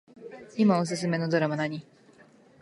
いまおすすめのドラマ何